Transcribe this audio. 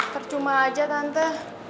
tercuma saja tante